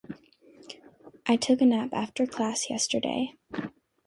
I took a nap after class yesterday.